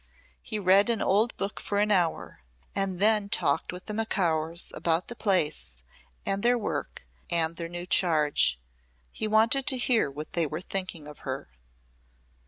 He read an old book for an hour and then talked with the Macaurs about the place and their work and their new charge. He wanted to hear what they were thinking of her.